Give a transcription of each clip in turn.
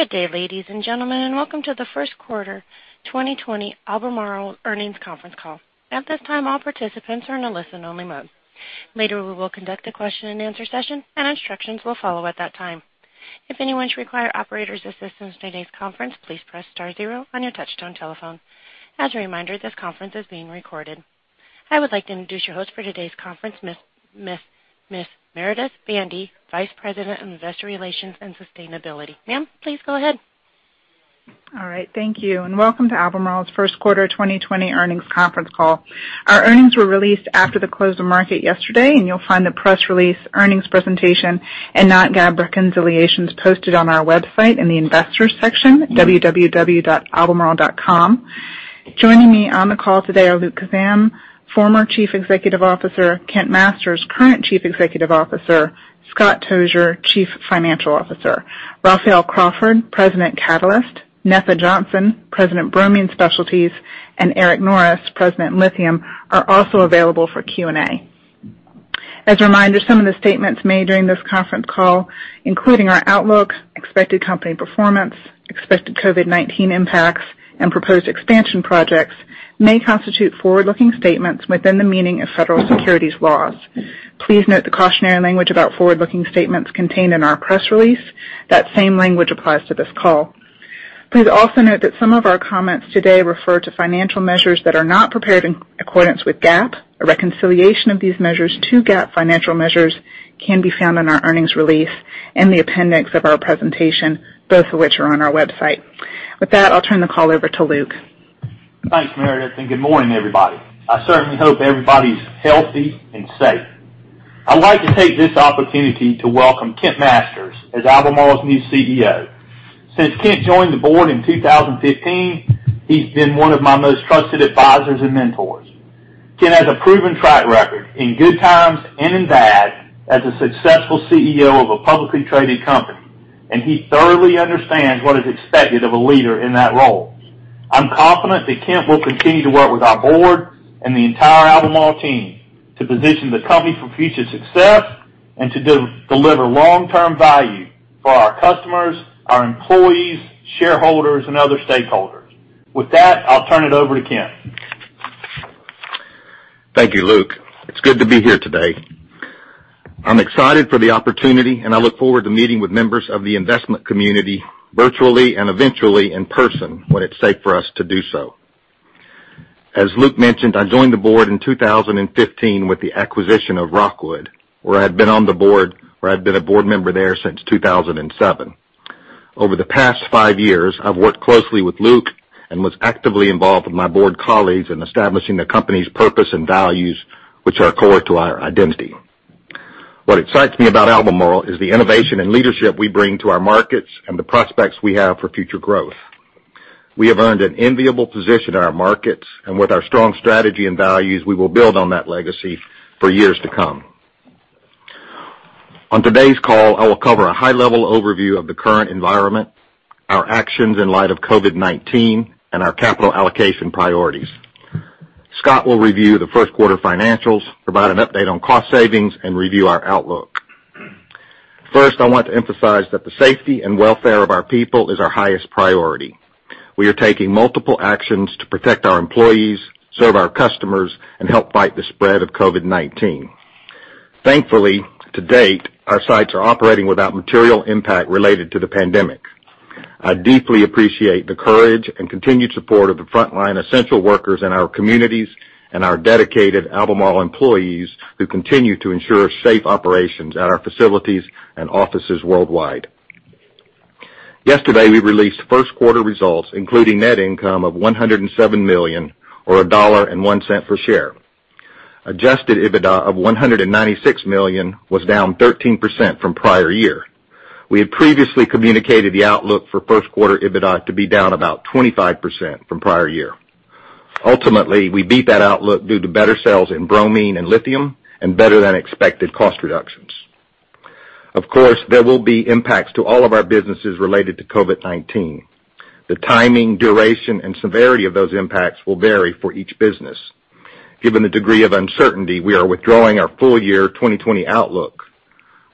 Good day, ladies and gentlemen, welcome to the first quarter 2020 Albemarle earnings conference call. At this time, all participants are in a listen only mode. Later, we will conduct a question and answer session, instructions will follow at that time. If anyone should require operator's assistance during today's conference, please press star zero on your touch-tone telephone. As a reminder, this conference is being recorded. I would like to introduce your host for today's conference, Ms. Meredith Bandy, Vice President of Investor Relations and Sustainability. Ma'am, please go ahead. All right, thank you. Welcome to Albemarle's first quarter 2020 earnings conference call. Our earnings were released after the close of market yesterday, and you'll find the press release, earnings presentation, and non-GAAP reconciliations posted on our website in the investors section, www.albemarle.com. Joining me on the call today are Luke Kissam, former Chief Executive Officer, Kent Masters, current Chief Executive Officer, Scott Tozier, Chief Financial Officer. Raphael Crawford, President, Catalysts, Netha Johnson, President, Bromine Specialties, and Eric Norris, President, Lithium, are also available for Q&A. As a reminder, some of the statements made during this conference call, including our outlook, expected company performance, expected COVID-19 impacts, and proposed expansion projects, may constitute forward-looking statements within the meaning of federal securities laws. Please note the cautionary language about forward-looking statements contained in our press release. That same language applies to this call. Please also note that some of our comments today refer to financial measures that are not prepared in accordance with GAAP. A reconciliation of these measures to GAAP financial measures can be found in our earnings release and the appendix of our presentation, both of which are on our website. With that, I'll turn the call over to Luke. Thanks, Meredith, and good morning, everybody. I certainly hope everybody's healthy and safe. I'd like to take this opportunity to welcome Kent Masters as Albemarle's new CEO. Since Kent joined the board in 2015, he's been one of my most trusted advisors and mentors. Kent has a proven track record in good times and in bad as a successful CEO of a publicly traded company, and he thoroughly understands what is expected of a leader in that role. I'm confident that Kent will continue to work with our board and the entire Albemarle team to position the company for future success and to deliver long-term value for our customers, our employees, shareholders, and other stakeholders. With that, I'll turn it over to Kent. Thank you, Luke. It's good to be here today. I'm excited for the opportunity, and I look forward to meeting with members of the investment community virtually and eventually in person when it's safe for us to do so. As Luke mentioned, I joined the board in 2015 with the acquisition of Rockwood, where I'd been a board member there since 2007. Over the past five years, I've worked closely with Luke and was actively involved with my board colleagues in establishing the company's purpose and values, which are core to our identity. What excites me about Albemarle is the innovation and leadership we bring to our markets and the prospects we have for future growth. We have earned an enviable position in our markets, and with our strong strategy and values, we will build on that legacy for years to come. On today's call, I will cover a high-level overview of the current environment, our actions in light of COVID-19, and our capital allocation priorities. Scott will review the first quarter financials, provide an update on cost savings, and review our outlook. First, I want to emphasize that the safety and welfare of our people is our highest priority. We are taking multiple actions to protect our employees, serve our customers, and help fight the spread of COVID-19. Thankfully, to date, our sites are operating without material impact related to the pandemic. I deeply appreciate the courage and continued support of the frontline essential workers in our communities and our dedicated Albemarle employees who continue to ensure safe operations at our facilities and offices worldwide. Yesterday, we released first quarter results, including net income of $107 million or $1.01 per share. Adjusted EBITDA of $196 million was down 13% from prior year. We had previously communicated the outlook for first quarter EBITDA to be down about 25% from prior year. Ultimately, we beat that outlook due to better sales in bromine and lithium and better-than-expected cost reductions. Of course, there will be impacts to all of our businesses related to COVID-19. The timing, duration, and severity of those impacts will vary for each business. Given the degree of uncertainty, we are withdrawing our full year 2020 outlook.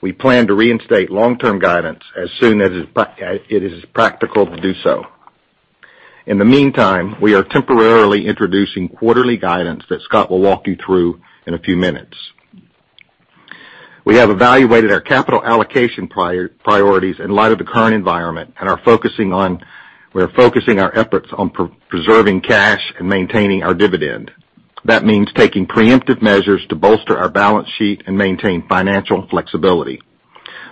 We plan to reinstate long-term guidance as soon as it is practical to do so. In the meantime, we are temporarily introducing quarterly guidance that Scott will walk you through in a few minutes. We have evaluated our capital allocation priorities in light of the current environment, and we are focusing our efforts on preserving cash and maintaining our dividend. That means taking preemptive measures to bolster our balance sheet and maintain financial flexibility.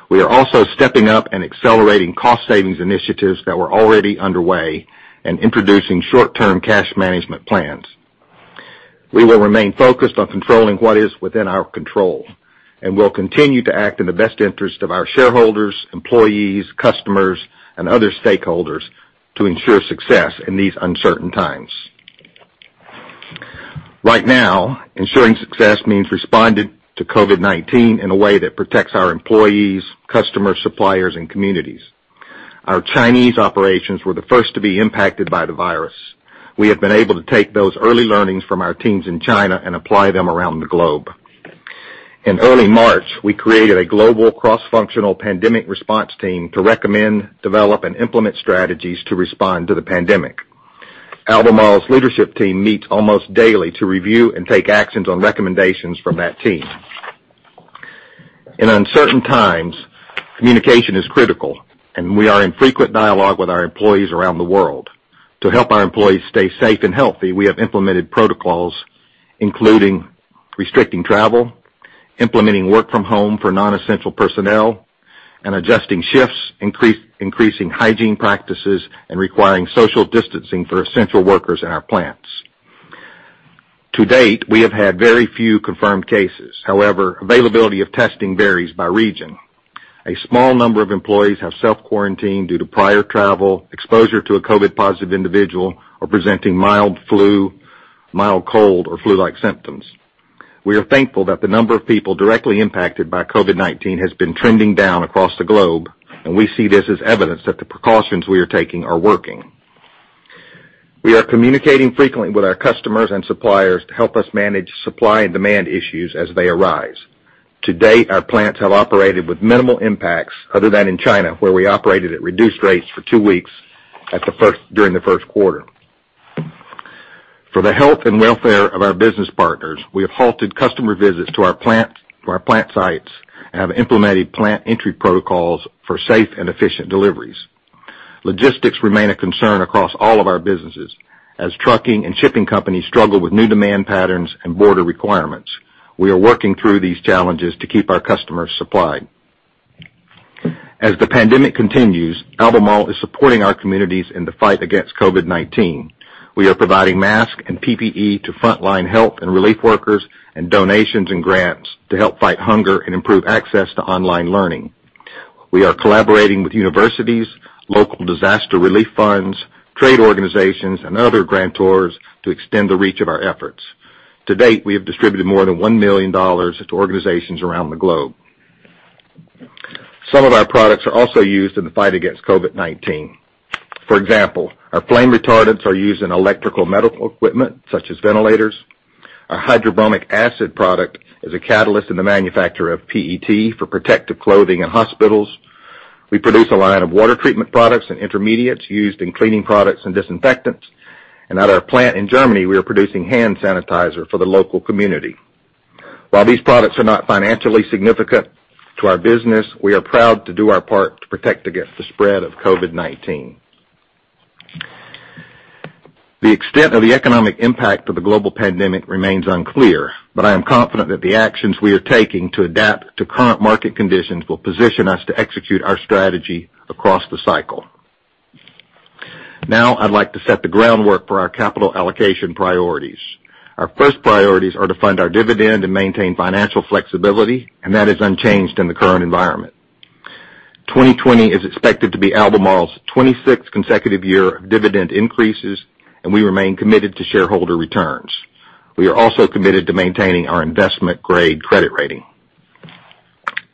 We are also stepping up and accelerating cost savings initiatives that were already underway and introducing short-term cash management plans. We will remain focused on controlling what is within our control, and we'll continue to act in the best interest of our shareholders, employees, customers, and other stakeholders to ensure success in these uncertain times. Right now, ensuring success means responding to COVID-19 in a way that protects our employees, customers, suppliers, and communities. Our Chinese operations were the first to be impacted by the virus. We have been able to take those early learnings from our teams in China and apply them around the globe. In early March, we created a global cross-functional pandemic response team to recommend, develop, and implement strategies to respond to the pandemic. Albemarle's leadership team meets almost daily to review and take actions on recommendations from that team. In uncertain times, communication is critical, and we are in frequent dialogue with our employees around the world. To help our employees stay safe and healthy, we have implemented protocols including restricting travel, implementing work from home for non-essential personnel, and adjusting shifts, increasing hygiene practices, and requiring social distancing for essential workers in our plants. To date, we have had very few confirmed cases. Availability of testing varies by region. A small number of employees have self-quarantined due to prior travel, exposure to a COVID-positive individual, or presenting mild flu, mild cold, or flu-like symptoms. We are thankful that the number of people directly impacted by COVID-19 has been trending down across the globe, and we see this as evidence that the precautions we are taking are working. We are communicating frequently with our customers and suppliers to help us manage supply and demand issues as they arise. To date, our plants have operated with minimal impacts other than in China, where we operated at reduced rates for two weeks during the first quarter. For the health and welfare of our business partners, we have halted customer visits to our plant sites and have implemented plant entry protocols for safe and efficient deliveries. Logistics remain a concern across all of our businesses as trucking and shipping companies struggle with new demand patterns and border requirements. We are working through these challenges to keep our customers supplied. As the pandemic continues, Albemarle is supporting our communities in the fight against COVID-19. We are providing masks and PPE to frontline health and relief workers, and donations and grants to help fight hunger and improve access to online learning. We are collaborating with universities, local disaster relief funds, trade organizations, and other grantors to extend the reach of our efforts. To date, we have distributed more than $1 million to organizations around the globe. Some of our products are also used in the fight against COVID-19. For example, our flame retardants are used in electrical medical equipment such as ventilators. Our hydrobromic acid product is a catalyst in the manufacture of PET for protective clothing in hospitals. We produce a line of water treatment products and intermediates used in cleaning products and disinfectants. At our plant in Germany, we are producing hand sanitizer for the local community. While these products are not financially significant to our business, we are proud to do our part to protect against the spread of COVID-19. The extent of the economic impact of the global pandemic remains unclear, but I am confident that the actions we are taking to adapt to current market conditions will position us to execute our strategy across the cycle. Now, I'd like to set the groundwork for our capital allocation priorities. Our first priorities are to fund our dividend and maintain financial flexibility, and that is unchanged in the current environment. 2020 is expected to be Albemarle's 26th consecutive year of dividend increases, and we remain committed to shareholder returns. We are also committed to maintaining our investment-grade credit rating.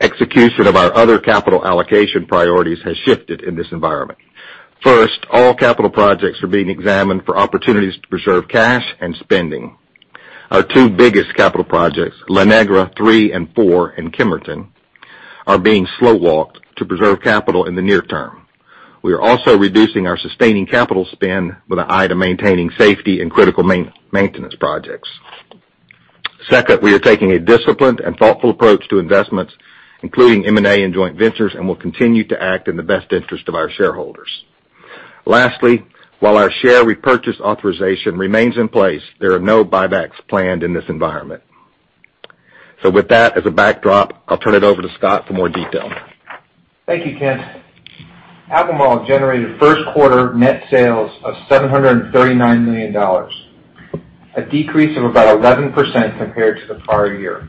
Execution of our other capital allocation priorities has shifted in this environment. First, all capital projects are being examined for opportunities to preserve cash and spending. Our two biggest capital projects, La Negra III and IV in Kemerton, are being slow-walked to preserve capital in the near term. We are also reducing our sustaining capital spend with an eye to maintaining safety and critical maintenance projects. Second, we are taking a disciplined and thoughtful approach to investments, including M&A and joint ventures, and will continue to act in the best interest of our shareholders. Lastly, while our share repurchase authorization remains in place, there are no buybacks planned in this environment. With that as a backdrop, I'll turn it over to Scott for more detail. Thank you, Kent. Albemarle generated first quarter net sales of $739 million, a decrease of about 11% compared to the prior year.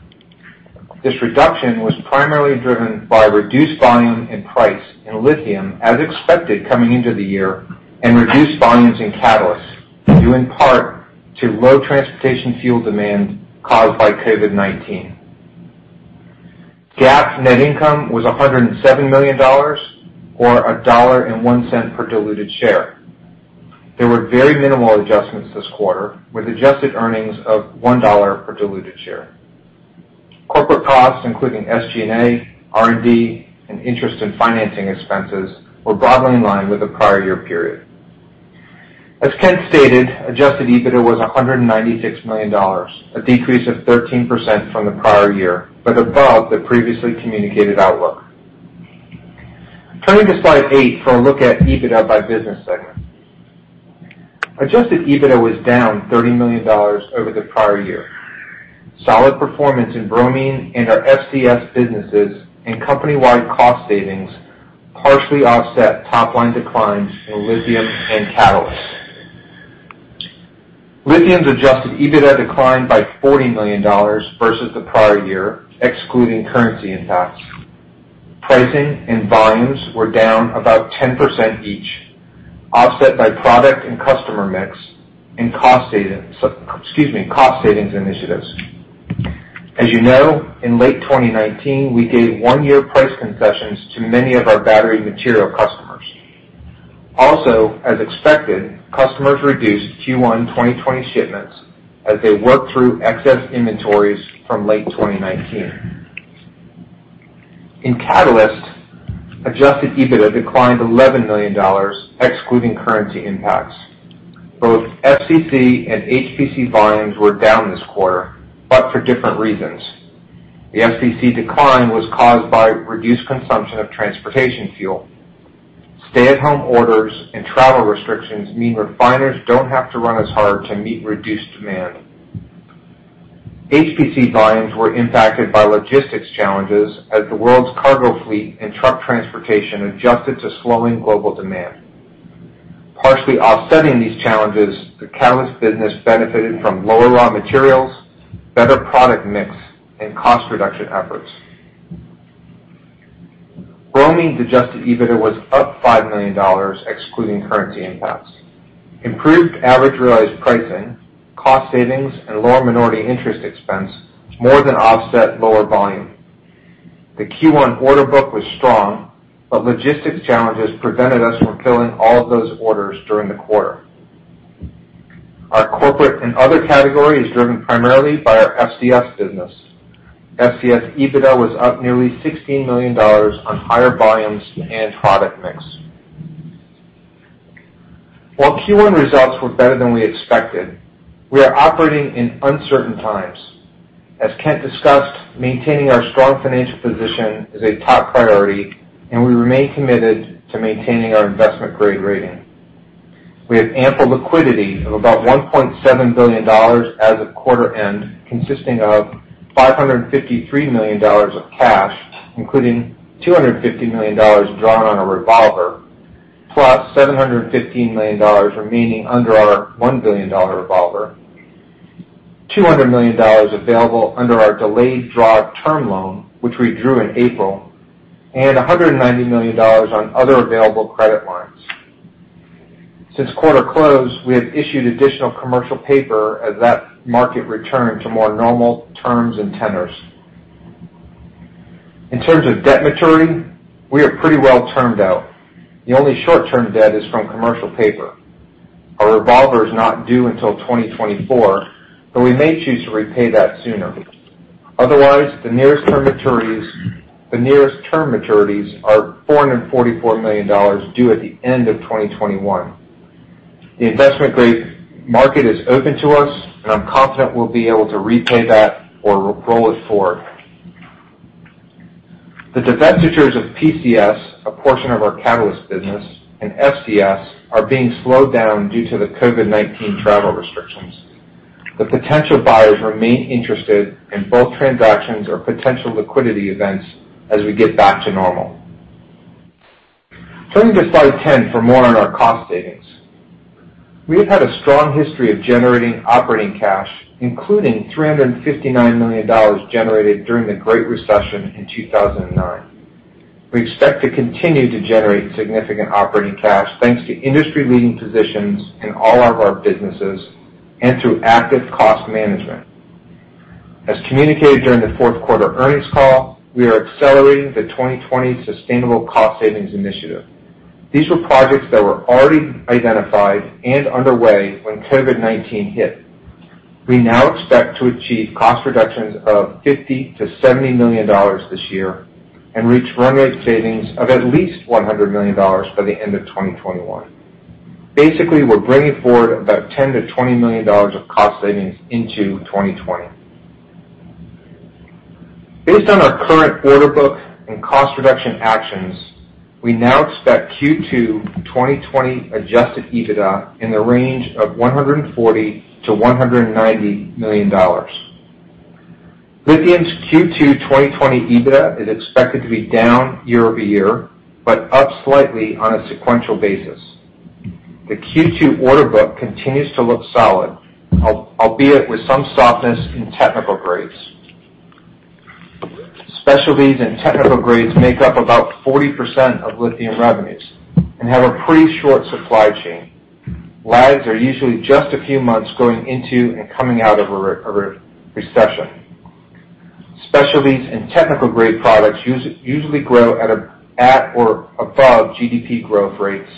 This reduction was primarily driven by reduced volume and price in lithium as expected coming into the year, and reduced volumes in catalysts, due in part to low transportation fuel demand caused by COVID-19. GAAP net income was $107 million, or $1.01 per diluted share. There were very minimal adjustments this quarter, with adjusted earnings of $1 per diluted share. Corporate costs, including SG&A, R&D, and interest in financing expenses, were broadly in line with the prior year period. As Kent stated, adjusted EBITDA was $196 million, a decrease of 13% from the prior year, but above the previously communicated outlook. Turning to slide eight for a look at EBITDA by business segment. Adjusted EBITDA was down $30 million over the prior year. Solid performance in bromine and our FCS businesses and company-wide cost savings partially offset top line declines in lithium and catalyst. Lithium's adjusted EBITDA declined by $40 million versus the prior year, excluding currency impacts. Pricing and volumes were down about 10% each, offset by product and customer mix and cost savings initiatives. As you know, in late 2019, we gave one-year price concessions to many of our battery material customers. As expected, customers reduced Q1 2020 shipments as they worked through excess inventories from late 2019. In Catalysts, adjusted EBITDA declined $11 million, excluding currency impacts. Both FCC and HPC volumes were down this quarter, but for different reasons. The FCC decline was caused by reduced consumption of transportation fuel. Stay-at-home orders and travel restrictions mean refiners don't have to run as hard to meet reduced demand. HPC volumes were impacted by logistics challenges as the world's cargo fleet and truck transportation adjusted to slowing global demand. Partially offsetting these challenges, the Catalyst business benefited from lower raw materials, better product mix, and cost reduction efforts. Bromine adjusted EBITDA was up $5 million, excluding currency impacts. Improved average realized pricing, cost savings, and lower minority interest expense more than offset lower volume. The Q1 order book was strong, but logistics challenges prevented us from filling all of those orders during the quarter. Our corporate and other category is driven primarily by our SDS business. SDS EBITDA was up nearly $16 million on higher volumes and product mix. While Q1 results were better than we expected, we are operating in uncertain times. As Kent discussed, maintaining our strong financial position is a top priority, and we remain committed to maintaining our investment-grade rating. We have ample liquidity of about $1.7 billion as of quarter end, consisting of $553 million of cash, including $250 million drawn on a revolver, plus $715 million remaining under our $1 billion revolver, $200 million available under our delayed draw term loan, which we drew in April, and $190 million on other available credit lines. Since quarter close, we have issued additional commercial paper as that market returned to more normal terms and tenders. In terms of debt maturity, we are pretty well termed out. The only short-term debt is from commercial paper. Our revolver is not due until 2024, but we may choose to repay that sooner. Otherwise, the nearest term maturities are $444 million due at the end of 2021. The investment-grade market is open to us, and I'm confident we'll be able to repay that or roll it forward. The divestitures of PCS, a portion of our Catalysts business, and SDS are being slowed down due to the COVID-19 travel restrictions. The potential buyers remain interested in both transactions or potential liquidity events as we get back to normal. Turning to slide 10 for more on our cost savings. We have had a strong history of generating operating cash, including $359 million generated during the Great Recession in 2009. We expect to continue to generate significant operating cash thanks to industry-leading positions in all of our businesses and through active cost management. As communicated during the fourth quarter earnings call, we are accelerating the 2020 Sustainable Cost Savings Initiative. These were projects that were already identified and underway when COVID-19 hit. We now expect to achieve cost reductions of $50 million-$70 million this year and reach run rate savings of at least $100 million by the end of 2021. Basically, we're bringing forward about $10 million-$20 million of cost savings into 2020. Based on our current order book and cost reduction actions, we now expect Q2 2020 adjusted EBITDA in the range of $140 million-$190 million. Lithium's Q2 2020 EBITDA is expected to be down year-over-year, but up slightly on a sequential basis. The Q2 order book continues to look solid, albeit with some softness in technical grades. Specialties and technical grades make up about 40% of lithium revenues and have a pretty short supply chain. Lags are usually just a few months going into and coming out of a recession. Specialties and technical grade products usually grow at or above GDP growth rates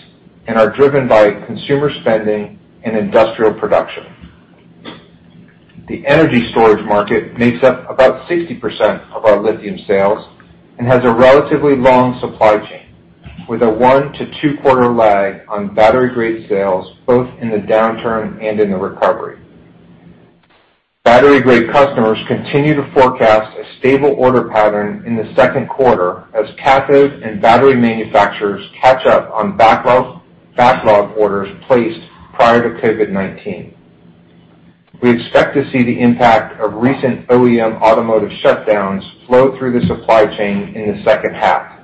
and are driven by consumer spending and industrial production. The energy storage market makes up about 60% of our lithium sales and has a relatively long supply chain with a one- to two-quarter lag on battery-grade sales, both in the downturn and in the recovery. Battery-grade customers continue to forecast a stable order pattern in the second quarter as cathode and battery manufacturers catch up on backlog orders placed prior to COVID-19. We expect to see the impact of recent OEM automotive shutdowns flow through the supply chain in the second half.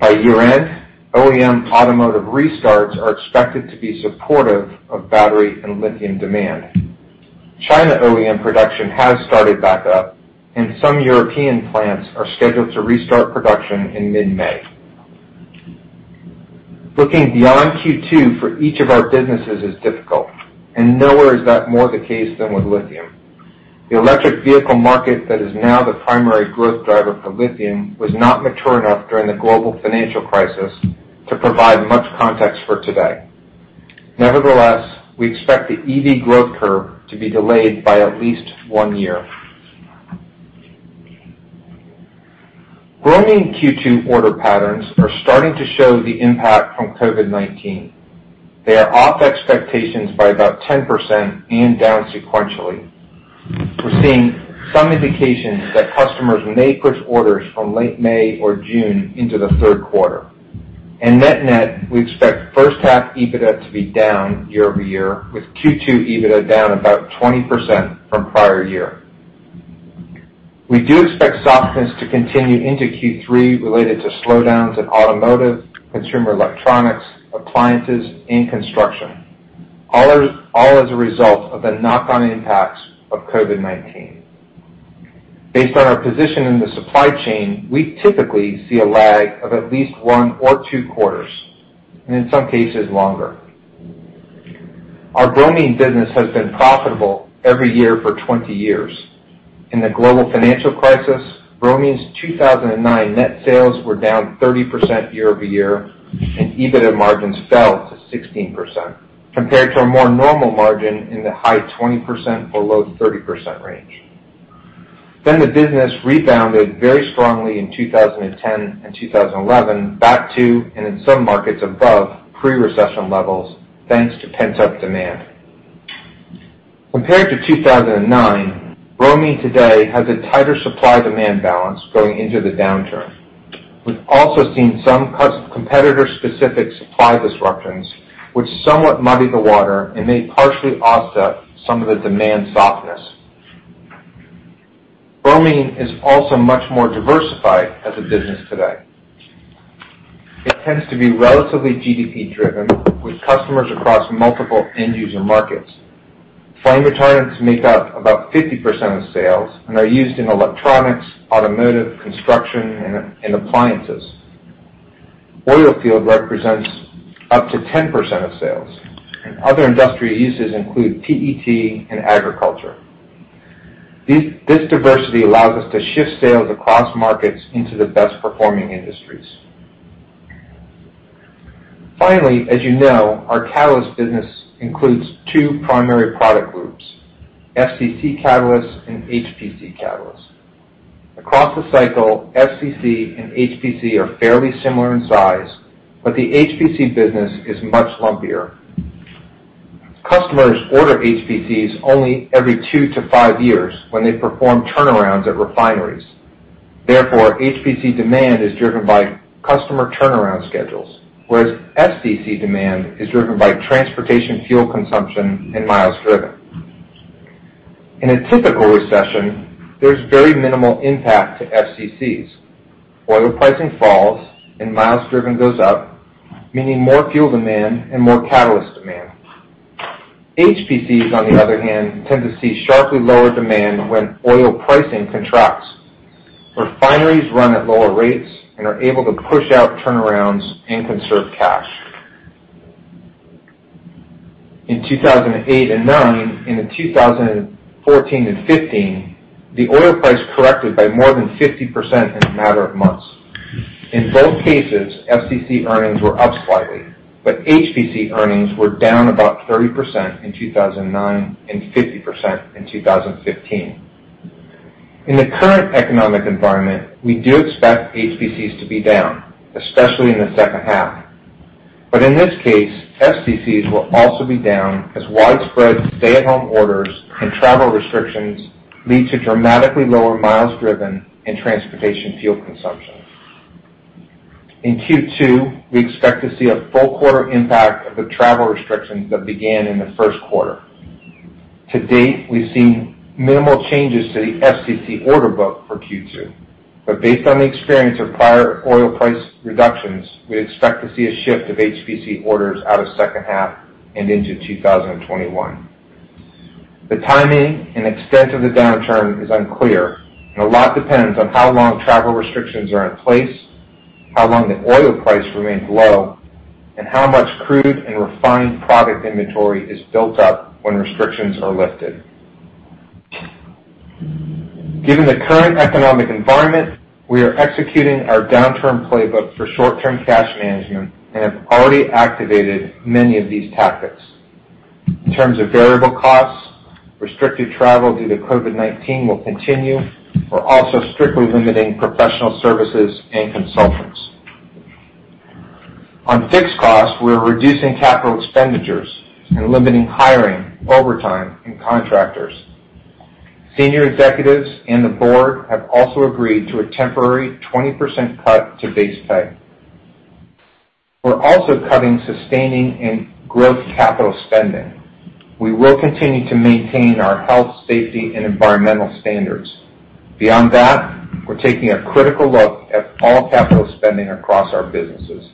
By year-end, OEM automotive restarts are expected to be supportive of battery and lithium demand. China OEM production has started back up, and some European plants are scheduled to restart production in mid-May. Looking beyond Q2 for each of our businesses is difficult, and nowhere is that more the case than with lithium. The electric vehicle market that is now the primary growth driver for lithium was not mature enough during the global financial crisis to provide much context for today. Nevertheless, we expect the EV growth curve to be delayed by at least one year. Bromine Q2 order patterns are starting to show the impact from COVID-19. They are off expectations by about 10% and down sequentially. We're seeing some indications that customers may push orders from late May or June into the third quarter. Net net, we expect first half EBITDA to be down year-over-year, with Q2 EBITDA down about 20% from prior year. We do expect softness to continue into Q3 related to slowdowns in automotive, consumer electronics, appliances, and construction, all as a result of the knock-on impacts of COVID-19. Based on our position in the supply chain, we typically see a lag of at least one or two quarters, and in some cases longer. Our bromine business has been profitable every year for 20 years. In the global financial crisis, bromine's 2009 net sales were down 30% year-over-year, and EBITDA margins fell to 16%, compared to a more normal margin in the high 20% or low 30% range. The business rebounded very strongly in 2010 and 2011 back to, and in some markets above pre-recession levels, thanks to pent-up demand. Compared to 2009, bromine today has a tighter supply-demand balance going into the downturn. We've also seen some competitor-specific supply disruptions, which somewhat muddy the water and may partially offset some of the demand softness. Bromine is also much more diversified as a business today. It tends to be relatively GDP-driven, with customers across multiple end-user markets. Flame retardants make up about 50% of sales and are used in electronics, automotive, construction, and appliances. Oil field represents up to 10% of sales, and other industrial uses include TET and agriculture. This diversity allows us to shift sales across markets into the best-performing industries. Finally, as you know, our catalyst business includes two primary product groups: FCC catalysts and HPC catalysts. Across the cycle, FCC and HPC are fairly similar in size, but the HPC business is much lumpier. Customers order HPCs only every two to five years when they perform turnarounds at refineries. Therefore, HPC demand is driven by customer turnaround schedules, whereas FCC demand is driven by transportation fuel consumption and miles driven. In a typical recession, there's very minimal impact to FCCs. Oil pricing falls and miles driven goes up, meaning more fuel demand and more catalyst demand. HPCs, on the other hand, tend to see sharply lower demand when oil pricing contracts. Refineries run at lower rates and are able to push out turnarounds and conserve cash. In 2008 and 2009, and in 2014 and 2015, the oil price corrected by more than 50% in a matter of months. In both cases, FCC earnings were up slightly, but HPC earnings were down about 30% in 2009 and 50% in 2015. In the current economic environment, we do expect HPCs to be down, especially in the second half. In this case, FCCs will also be down as widespread stay-at-home orders and travel restrictions lead to dramatically lower miles driven and transportation fuel consumption. In Q2, we expect to see a full quarter impact of the travel restrictions that began in the first quarter. To date, we've seen minimal changes to the FCC order book for Q2, but based on the experience of prior oil price reductions, we expect to see a shift of HPC orders out of second half and into 2021. The timing and extent of the downturn is unclear, and a lot depends on how long travel restrictions are in place, how long the oil price remains low, and how much crude and refined product inventory is built up when restrictions are lifted. Given the current economic environment, we are executing our downturn playbook for short-term cash management and have already activated many of these tactics. In terms of variable costs, restricted travel due to COVID-19 will continue. We're also strictly limiting professional services and consultants. On fixed costs, we're reducing capital expenditures and limiting hiring overtime and contractors. Senior executives and the board have also agreed to a temporary 20% cut to base pay. We're also cutting sustaining and growth capital spending. We will continue to maintain our health, safety, and environmental standards. Beyond that, we're taking a critical look at all capital spending across our businesses.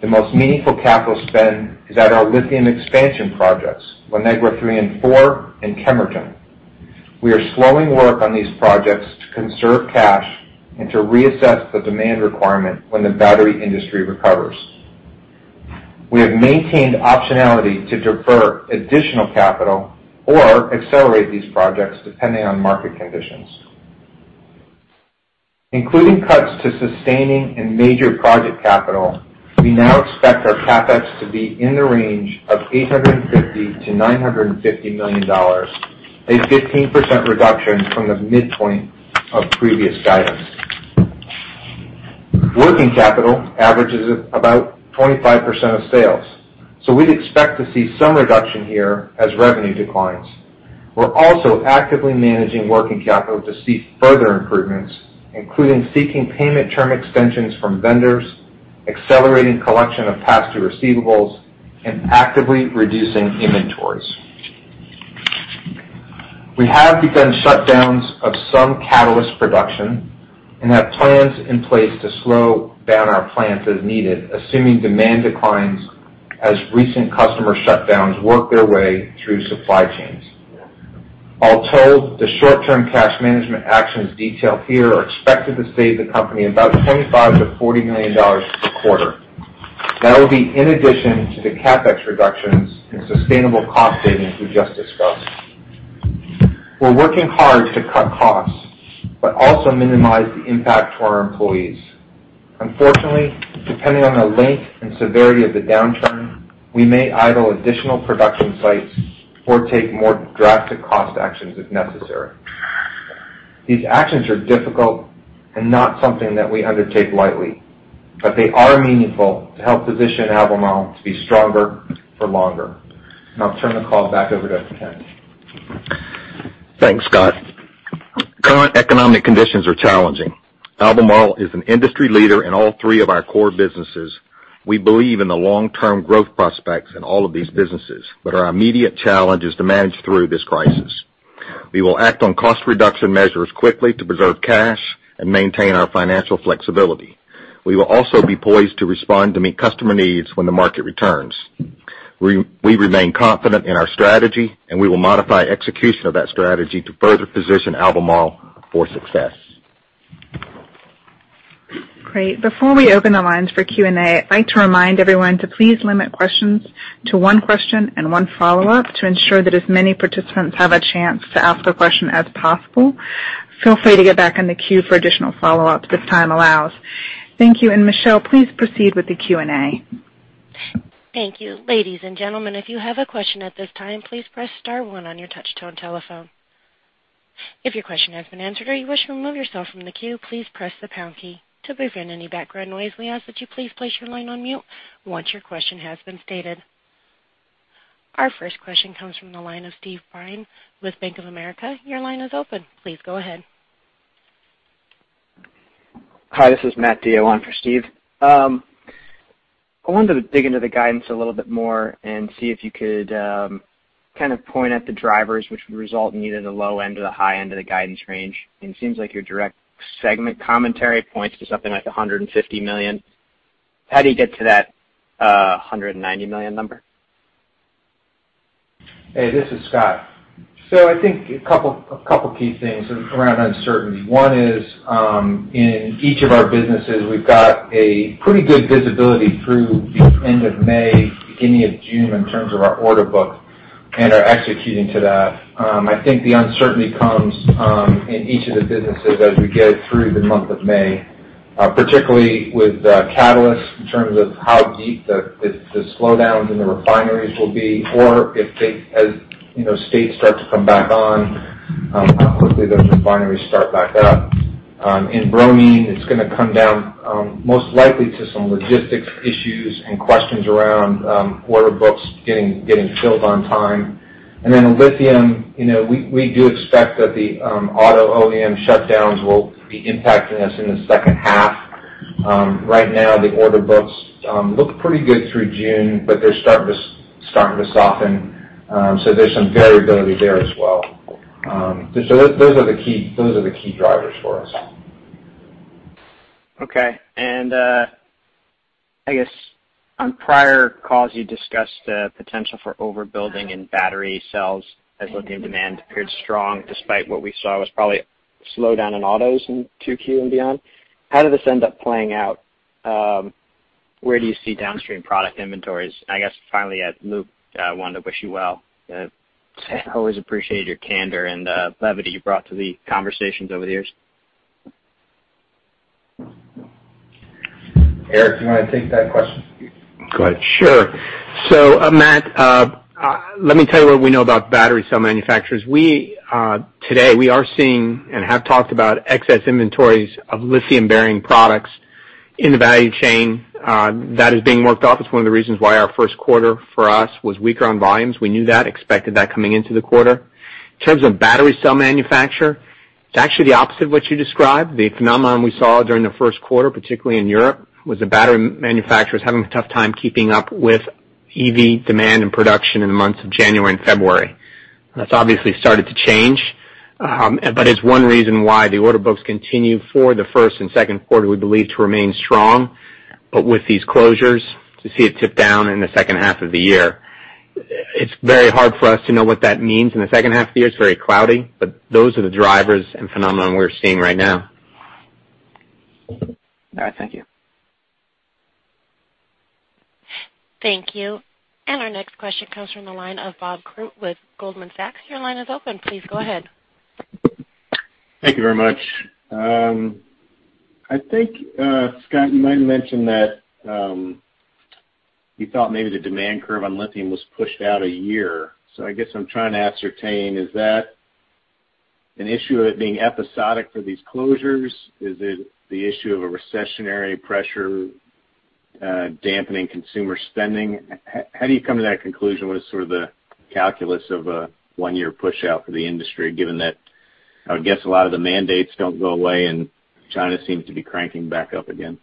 The most meaningful capital spend is at our lithium expansion projects, La Negra III and IV, and Kemerton. We are slowing work on these projects to conserve cash and to reassess the demand requirement when the battery industry recovers. We have maintained optionality to defer additional capital or accelerate these projects depending on market conditions. Including cuts to sustaining and major project capital, we now expect our CapEx to be in the range of $850 million-$950 million, a 15% reduction from the midpoint of previous guidance. Working capital averages about 25% of sales. We'd expect to see some reduction here as revenue declines. We're also actively managing working capital to see further improvements, including seeking payment term extensions from vendors, accelerating collection of past due receivables, and actively reducing inventories. We have begun shutdowns of some catalyst production and have plans in place to slow down our plants as needed, assuming demand declines as recent customer shutdowns work their way through supply chains. All told, the short-term cash management actions detailed here are expected to save the company about $25 million-$40 million per quarter. That will be in addition to the CapEx reductions and sustainable cost savings we just discussed. We're working hard to cut costs, but also minimize the impact to our employees. Unfortunately, depending on the length and severity of the downturn, we may idle additional production sites or take more drastic cost actions if necessary. These actions are difficult and not something that we undertake lightly, but they are meaningful to help position Albemarle to be stronger for longer. Now I'll turn the call back over to Kent. Thanks, Scott. Current economic conditions are challenging. Albemarle is an industry leader in all three of our core businesses. We believe in the long-term growth prospects in all of these businesses, but our immediate challenge is to manage through this crisis. We will act on cost reduction measures quickly to preserve cash and maintain our financial flexibility. We will also be poised to respond to meet customer needs when the market returns. We remain confident in our strategy, and we will modify execution of that strategy to further position Albemarle for success. Great. Before we open the lines for Q&A, I'd like to remind everyone to please limit questions to one question and one follow-up to ensure that as many participants have a chance to ask a question as possible. Feel free to get back in the queue for additional follow-ups if time allows. Thank you. Michelle, please proceed with the Q&A. Thank you. Ladies and gentlemen, if you have a question at this time, please press star one on your touchtone telephone. If your question has been answered or you wish to remove yourself from the queue, please press the pound key. To prevent any background noise, we ask that you please place your line on mute once your question has been stated. Our first question comes from the line of Steve Byrne with Bank of America. Your line is open. Please go ahead. Hi, this is Matthew DeYoe on for Steve Byrne. I wanted to dig into the guidance a little bit more and see if you could kind of point at the drivers which would result in either the low end or the high end of the guidance range. It seems like your direct segment commentary points to something like $150 million. How do you get to that $190 million number? Hey, this is Scott. I think a couple key things around uncertainty. One is, in each of our businesses, we've got a pretty good visibility through the end of May, beginning of June in terms of our order book and are executing to that. I think the uncertainty comes in each of the businesses as we get through the month of May, particularly with catalyst in terms of how deep the slowdowns in the refineries will be, or if they, as states start to come back on, how quickly those refineries start back up. In bromine, it's going to come down, most likely to some logistics issues and questions around order books getting filled on time. With lithium, we do expect that the auto OEM shutdowns will be impacting us in the second half. Right now, the order books look pretty good through June, but they're starting to soften. There's some variability there as well. Those are the key drivers for us. Okay. I guess on prior calls, you discussed the potential for overbuilding in battery cells as lithium demand appeared strong despite what we saw was probably a slowdown in autos in 2Q and beyond. How did this end up playing out? Where do you see downstream product inventories? I guess finally, Luke, wanted to wish you well. I always appreciate your candor and the levity you brought to the conversations over the years. Eric, do you want to take that question? Go ahead. Sure. Matt, let me tell you what we know about battery cell manufacturers. Today, we are seeing and have talked about excess inventories of lithium-bearing products in the value chain. That is being worked off. It's one of the reasons why our first quarter for us was weaker on volumes. We knew that, expected that coming into the quarter. In terms of battery cell manufacturer, it's actually the opposite of what you described. The phenomenon we saw during the first quarter, particularly in Europe, was the battery manufacturers having a tough time keeping up with EV demand and production in the months of January and February. That's obviously started to change. It's one reason why the order books continue for the first and second quarter, we believe, to remain strong. With these closures, to see it tip down in the second half of the year. It's very hard for us to know what that means in the second half of the year. It's very cloudy, but those are the drivers and phenomenon we're seeing right now. All right, thank you. Thank you. Our next question comes from the line of Bob Koort with Goldman Sachs. Your line is open. Please go ahead. Thank you very much. I think, Scott, you might have mentioned that you thought maybe the demand curve on lithium was pushed out a year. I guess I'm trying to ascertain, is that an issue of it being episodic for these closures? Is it the issue of a recessionary pressure dampening consumer spending? How do you come to that conclusion? What is sort of the calculus of a one year pushout for the industry, given that, I would guess a lot of the mandates don't go away, and China seems to be cranking back up again?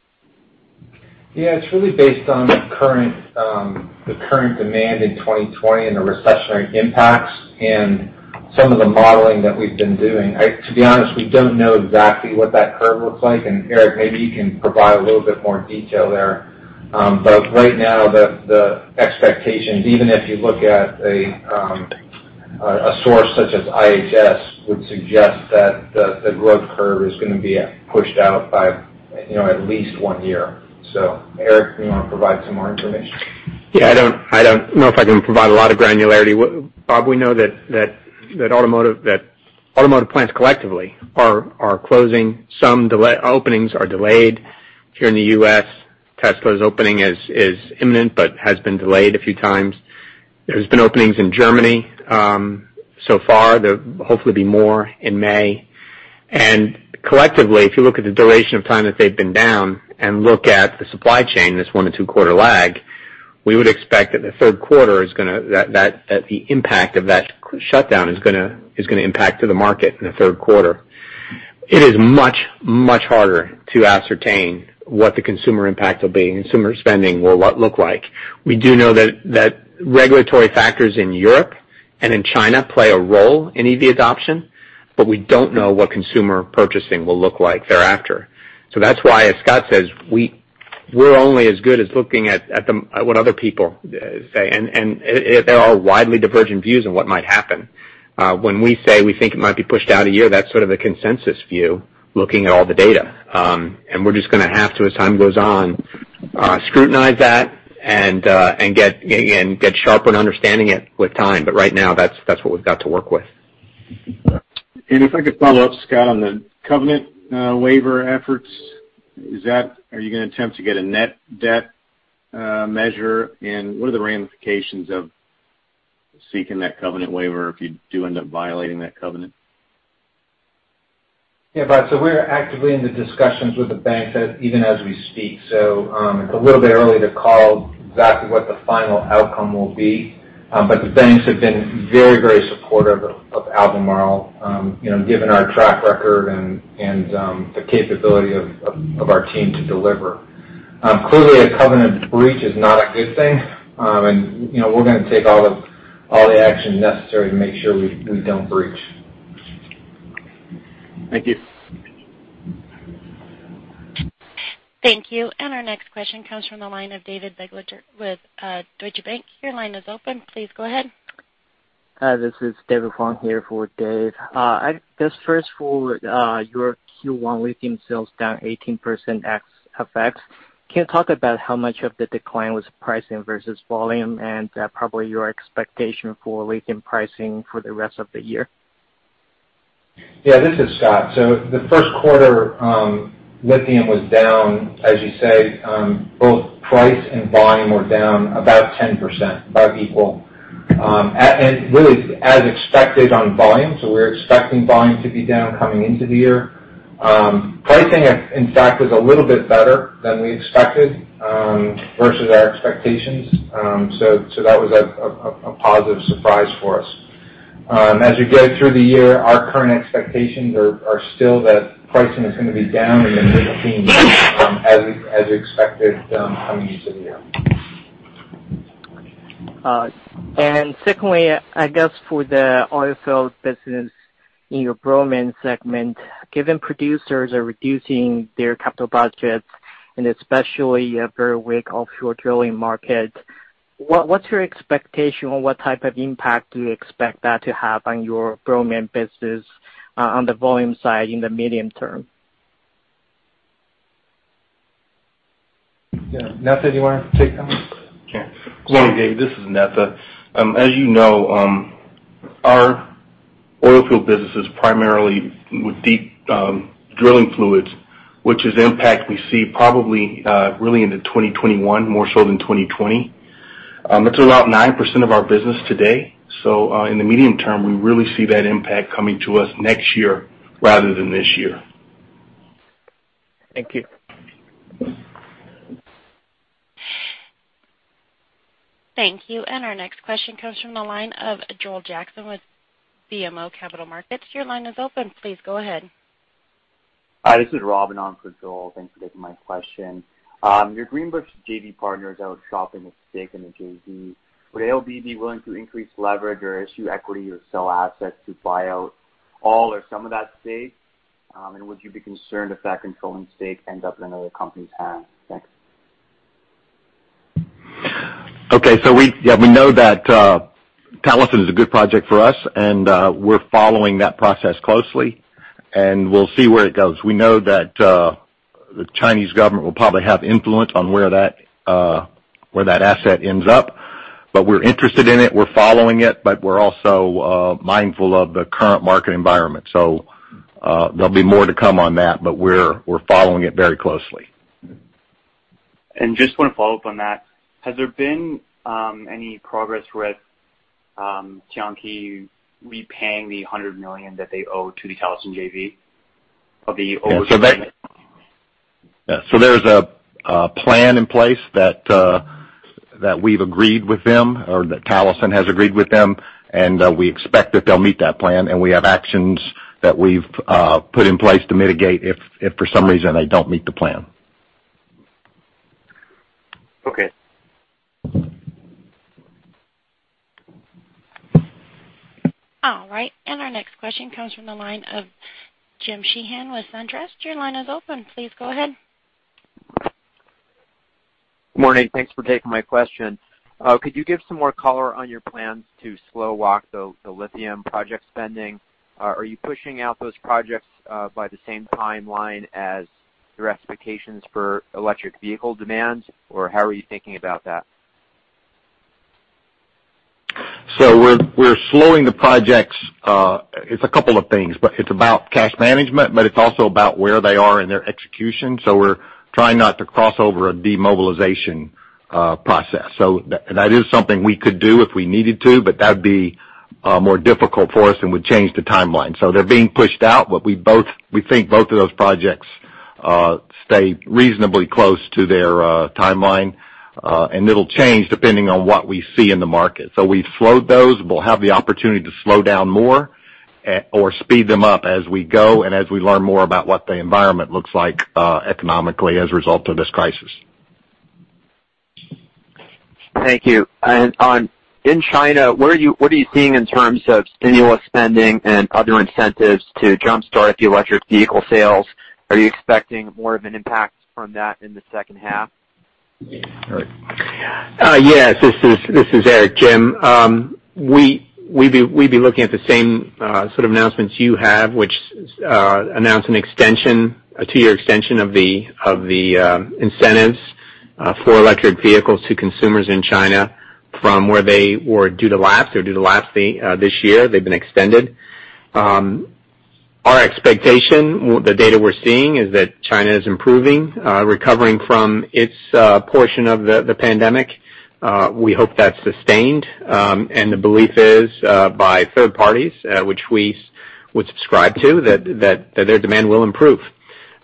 Yeah. It's really based on the current demand in 2020 and the recessionary impacts and some of the modeling that we've been doing. To be honest, we don't know exactly what that curve looks like, and Eric, maybe you can provide a little bit more detail there. Right now, the expectations, even if you look at a source such as IHS, would suggest that the growth curve is going to be pushed out by at least one year. Eric, you want to provide some more information? Yeah. I don't know if I can provide a lot of granularity, Bob. We know that automotive plants collectively are closing. Some openings are delayed here in the U.S. Tesla's opening is imminent but has been delayed a few times. There's been openings in Germany so far. There'll hopefully be more in May. Collectively, if you look at the duration of time that they've been down and look at the supply chain, this one to two quarter lag, we would expect that the impact of that shutdown is going to impact the market in the third quarter. It is much, much harder to ascertain what the consumer impact will be and consumer spending will look like. We do know that regulatory factors in Europe and in China play a role in EV adoption. We don't know what consumer purchasing will look like thereafter. That's why, as Scott says, we're only as good as looking at what other people say, and there are widely divergent views on what might happen. When we say we think it might be pushed out a year, that's sort of the consensus view, looking at all the data. We're just going to have to, as time goes on, scrutinize that and get sharper in understanding it with time. Right now, that's what we've got to work with. If I could follow up, Scott, on the covenant waiver efforts. Are you going to attempt to get a net debt measure? And what are the ramifications of seeking that covenant waiver if you do end up violating that covenant? Yeah, Bob. We're actively in the discussions with the banks, even as we speak. It's a little bit early to call exactly what the final outcome will be. The banks have been very, very supportive of Albemarle given our track record and the capability of our team to deliver. Clearly, a covenant breach is not a good thing. We're going to take all the action necessary to make sure we don't breach. Thank you. Thank you. Our next question comes from the line of David Begleiter with Deutsche Bank. Your line is open. Please go ahead. Hi, this is David Fong here for Dave. I guess first for your Q1 lithium sales down 18% ex-FX. Can you talk about how much of the decline was pricing versus volume and probably your expectation for lithium pricing for the rest of the year? Yeah, this is Scott. The first quarter, lithium was down, as you say, both price and volume were down about 10%, about equal. Really as expected on volume. We were expecting volume to be down coming into the year. Pricing, in fact, was a little bit better than we expected versus our expectations. That was a positive surprise for us. As we go through the year, our current expectations are still that pricing is going to be down in the lithium as expected coming into the year. Secondly, I guess for the oilfield business in your bromine segment, given producers are reducing their capital budgets and especially a very weak offshore drilling market, what's your expectation on what type of impact do you expect that to have on your bromine business on the volume side in the medium term? Yeah. Netha, do you want to take that one? Sure. Dave, this is Netha. As you know, our oilfield business is primarily with deep drilling fluids, which is impact we see probably really into 2021 more so than 2020. It's about 9% of our business today. In the medium term, we really see that impact coming to us next year rather than this year. Thank you. Thank you. Our next question comes from the line of Joel Jackson with BMO Capital Markets. Your line is open. Please go ahead. Hi, this is Robin on for Joel. Thanks for taking my question. Your Greenbushes JV partners out shopping a stake in the JV. Would ALB be willing to increase leverage or issue equity or sell assets to buy out all or some of that stake? Would you be concerned if that controlling stake ends up in another company's hands? Thanks. Okay. We know that Talison is a good project for us, and we're following that process closely, and we'll see where it goes. We know that the Chinese government will probably have influence on where that asset ends up, but we're interested in it. We're following it, but we're also mindful of the current market environment. There'll be more to come on that, but we're following it very closely. Just want to follow up on that. Has there been any progress with Tianqi repaying the $100 million that they owe to the Talison JV? Yeah. There's a plan in place that we've agreed with them, or that Talison has agreed with them, and we expect that they'll meet that plan, and we have actions that we've put in place to mitigate if for some reason they don't meet the plan. Okay. All right. Our next question comes from the line of Jim Sheehan with SunTrust. Your line is open. Please go ahead. Morning. Thanks for taking my question. Could you give some more color on your plans to slow walk the lithium project spending? Are you pushing out those projects by the same timeline as your expectations for electric vehicle demands? Or how are you thinking about that? We're slowing the projects. It's a couple of things, but it's about cash management, but it's also about where they are in their execution. We're trying not to cross over a demobilization process. That is something we could do if we needed to, but that would be more difficult for us and would change the timeline. They're being pushed out, but we think both of those projects stay reasonably close to their timeline. It'll change depending on what we see in the market. We've slowed those. We'll have the opportunity to slow down more or speed them up as we go and as we learn more about what the environment looks like economically as a result of this crisis. Thank you. In China, what are you seeing in terms of stimulus spending and other incentives to jumpstart the electric vehicle sales? Are you expecting more of an impact from that in the second half? Yes. This is Eric, Jim. We'd be looking at the same sort of announcements you have, which announce a two year extension of the incentives for electric vehicles to consumers in China from where they were due to lapse this year. They've been extended. Our expectation, the data we're seeing, is that China is improving, recovering from its portion of the pandemic. We hope that's sustained, and the belief is by third parties, which we would subscribe to, that their demand will improve.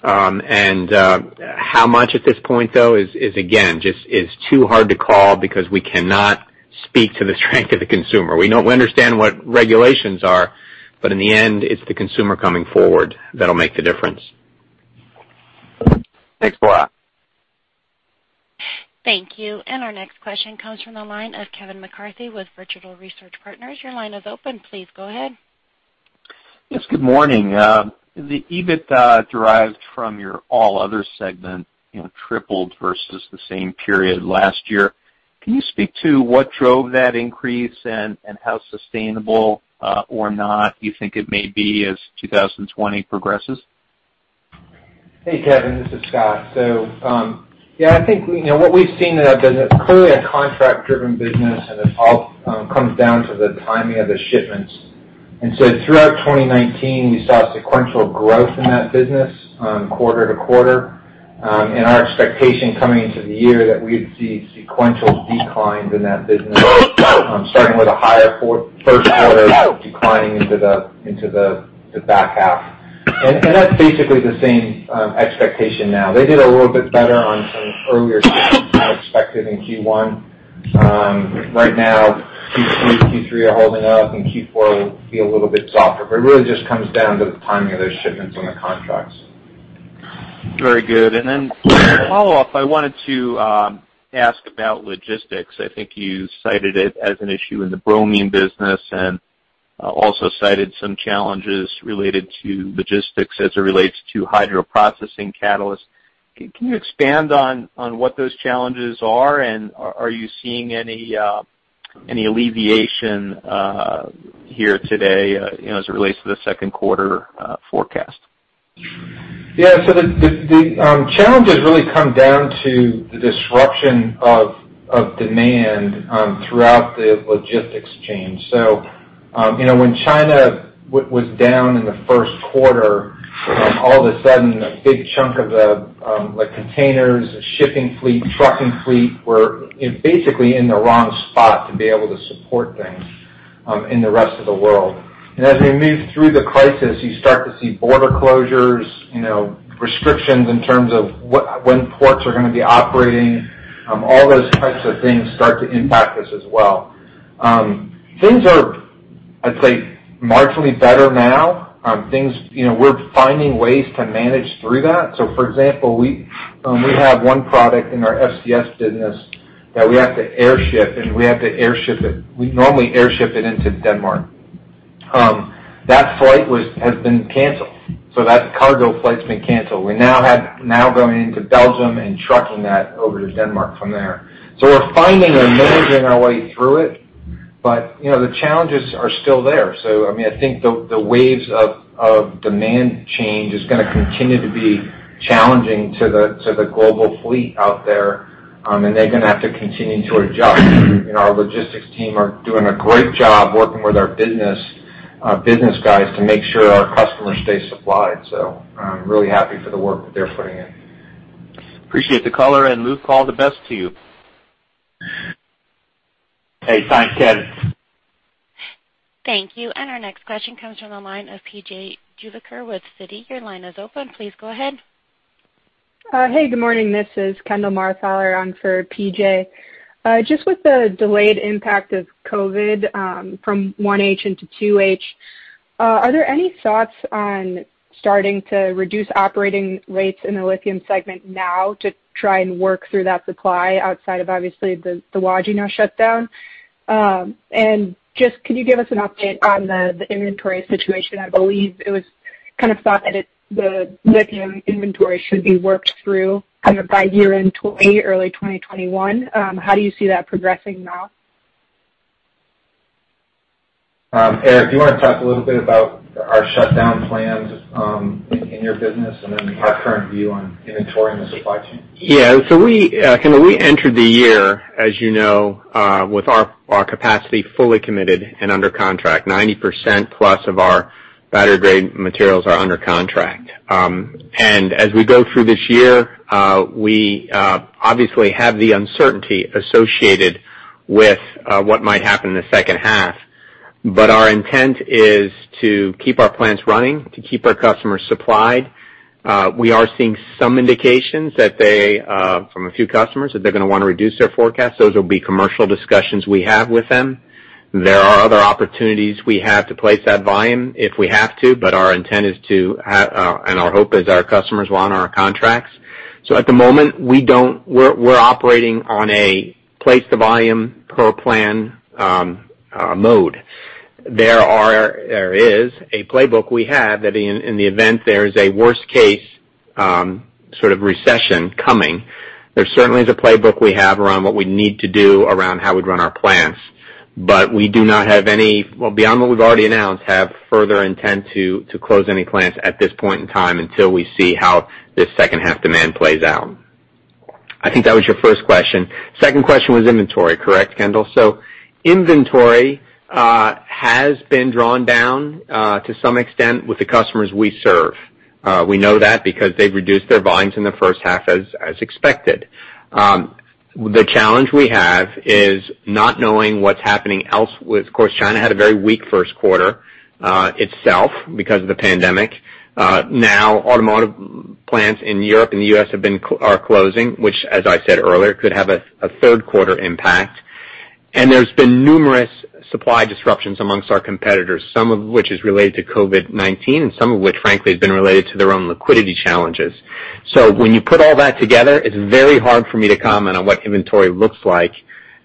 How much at this point, though, is, again, just is too hard to call because we cannot speak to the strength of the consumer. We understand what regulations are, but in the end, it's the consumer coming forward that'll make the difference. Thanks a lot. Thank you. Our next question comes from the line of Kevin McCarthy with Vertical Research Partners. Your line is open. Please go ahead. Yes, good morning. The EBITDA derived from your all other segment tripled versus the same period last year. Can you speak to what drove that increase and how sustainable or not you think it may be as 2020 progresses? Hey, Kevin, this is Scott. Yeah, I think what we've seen in our business, clearly a contract-driven business, and it all comes down to the timing of the shipments. Throughout 2019, we saw sequential growth in that business quarter-to-quarter. Our expectation coming into the year that we'd see sequential declines in that business starting with a higher first quarter declining into the back half. That's basically the same expectation now. They did a little bit better on some earlier than expected in Q1. Right now, Q2, Q3 are holding up, and Q4 will be a little bit softer, but it really just comes down to the timing of those shipments and the contracts. Very good. To follow up, I wanted to ask about logistics. I think you cited it as an issue in the bromine business and also cited some challenges related to logistics as it relates to hydro processing catalysts. Can you expand on what those challenges are, and are you seeing any alleviation here today as it relates to the second quarter forecast? The challenges really come down to the disruption of demand throughout the logistics chain. When China was down in the first quarter, all of a sudden a big chunk of the containers, the shipping fleet, trucking fleet were basically in the wrong spot to be able to support things in the rest of the world. As we move through the crisis, you start to see border closures, restrictions in terms of when ports are going to be operating. All those types of things start to impact us as well. Things are, I'd say, marginally better now. We're finding ways to manage through that. For example, we have one product in our FCS business that we have to airship, and we normally airship it into Denmark. That flight has been canceled. That cargo flight's been canceled. We're now going into Belgium and trucking that over to Denmark from there. We're finding and managing our way through it, but the challenges are still there. I think the waves of demand change is going to continue to be challenging to the global fleet out there, and they're going to have to continue to adjust. Our logistics team are doing a great job working with our business guys to make sure our customers stay supplied. I'm really happy for the work that they're putting in. Appreciate the color and Luke, all the best to you. Hey, thanks, Kevin. Thank you. Our next question comes from the line of PJ Juvekar with Citi. Your line is open. Please go ahead. Hey, good morning. This is Kendall Marthaler on for PJ. Just with the delayed impact of COVID from 1H into 2H, are there any thoughts on starting to reduce operating rates in the lithium segment now to try and work through that supply outside of obviously the Wodgina shutdown? Just could you give us an update on the inventory situation? I believe it was kind of thought that the lithium inventory should be worked through kind of by year-end 2020, early 2021. How do you see that progressing now? Eric, do you want to talk a little bit about our shutdown plans in your business and then our current view on inventory and the supply chain? Yeah. We entered the year, as you know, with our capacity fully committed and under contract. 90% plus of our battery-grade materials are under contract. As we go through this year, we obviously have the uncertainty associated with what might happen in the second half. Our intent is to keep our plants running, to keep our customers supplied. We are seeing some indications from a few customers that they're going to want to reduce their forecast. Those will be commercial discussions we have with them. There are other opportunities we have to place that volume if we have to, but our intent is to, and our hope is our customers will honor our contracts. At the moment, we're operating on a place the volume per plan mode. There is a playbook we have that in the event there is a worst-case sort of recession coming, there certainly is a playbook we have around what we need to do around how we'd run our plants. We do not have any, well, beyond what we've already announced, have further intent to close any plants at this point in time until we see how this second half demand plays out. I think that was your first question. Second question was inventory, correct, Kendall? Inventory has been drawn down to some extent with the customers we serve. We know that because they've reduced their volumes in the first half as expected. The challenge we have is not knowing what's happening elsewhere. Of course China had a very weak first quarter itself because of the pandemic. Now automotive plants in Europe and the U.S. are closing, which as I said earlier, could have a third quarter impact. There's been numerous supply disruptions amongst our competitors, some of which is related to COVID-19, and some of which, frankly, has been related to their own liquidity challenges. When you put all that together, it's very hard for me to comment on what inventory looks like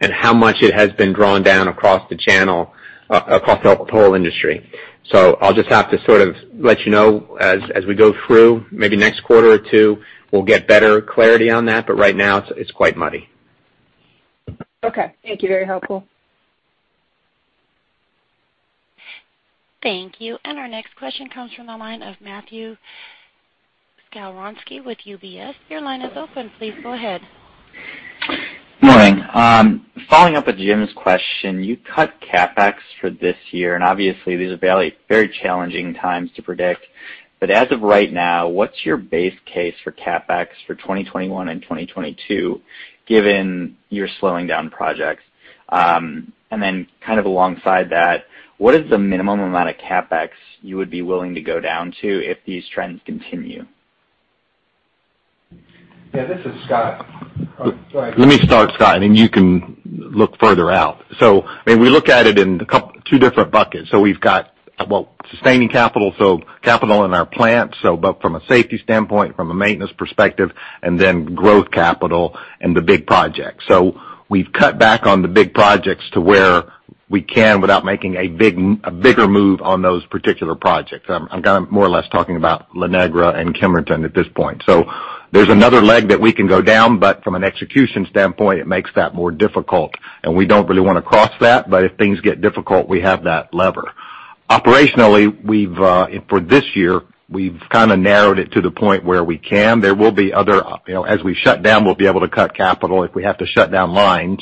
and how much it has been drawn down across the channel, across the whole industry. I'll just have to sort of let you know as we go through, maybe next quarter or two, we'll get better clarity on that, but right now it's quite muddy. Okay. Thank you. Very helpful. Thank you. Our next question comes from the line of Matthew Skowronski with UBS. Your line is open. Please go ahead. Morning. Following up with Jim's question, you cut CapEx for this year, and obviously these are very challenging times to predict. As of right now, what's your base case for CapEx for 2021 and 2022, given you're slowing down projects? Kind of alongside that, what is the minimum amount of CapEx you would be willing to go down to if these trends continue? Yeah, this is Scott. Oh, go ahead. Let me start, Scott, and then you can look further out. We look at it in two different buckets. We've got, well, sustaining capital, so capital in our plant, both from a safety standpoint, from a maintenance perspective, and then growth capital and the big projects. We've cut back on the big projects to where we can without making a bigger move on those particular projects. I'm kind of more or less talking about La Negra and Kemerton at this point. There's another leg that we can go down, but from an execution standpoint, it makes that more difficult, and we don't really want to cross that, but if things get difficult, we have that lever. Operationally, for this year, we've kind of narrowed it to the point where we can. There will be other, as we shut down, we'll be able to cut capital if we have to shut down lines.